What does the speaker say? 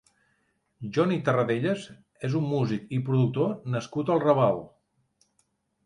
Johnny Tarradellas és un músic i productor nascut al Raval.